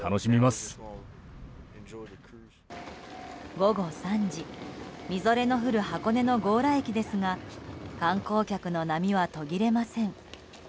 午後３時、みぞれの降る箱根の強羅駅ですが観光客の波は途切れません。